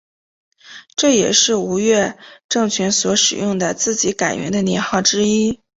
这也是吴越政权所使用的自己改元的年号之一。